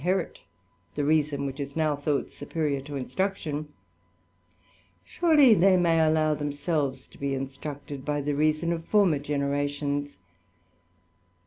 229 ^^erit the reason which is now thought superior to ^siruction, surely they may allow themselves to be ^^^structed by the reason of former generations.